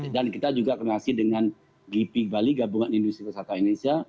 dan kita juga kongsi dengan gipi bali gabungan industri wisata indonesia